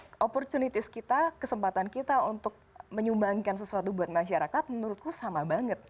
nah opportunity kita kesempatan kita untuk menyumbangkan sesuatu buat masyarakat menurutku sama banget